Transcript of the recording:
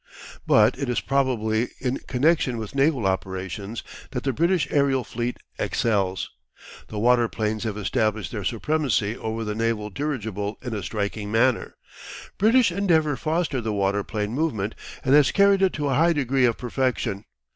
But it is probably in connection with naval operations that the British aerial fleet excels. The waterplanes have established their supremacy over the naval dirigible in a striking manner. British endeavour fostered the waterplane movement and has carried it to a high degree of perfection.